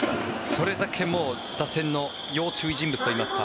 それだけもう打線の要注意人物といいますか。